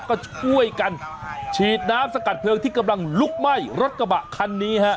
ก็ช่วยกันฉีดน้ำสกัดเพลิงที่กำลังลุกไหม้รถกระบะคันนี้ฮะ